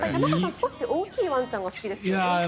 少し大きいワンちゃんが好きですよね。